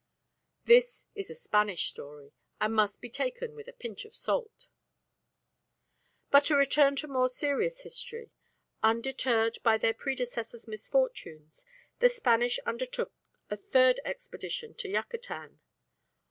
This is a Spanish story, and must be taken with a big pinch of salt. But to return to more serious history. Undeterred by their predecessors' misfortunes, the Spanish undertook a third expedition to Yucatan.